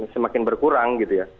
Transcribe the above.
semakin berkurang gitu ya